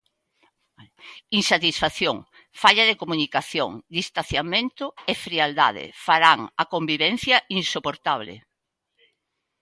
Insatisfacción, falla de comunicación, distanciamento e frialdade farán a convivencia insoportable.